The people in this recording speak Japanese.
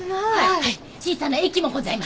はい。